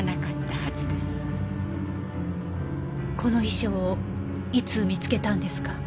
この遺書をいつ見つけたんですか？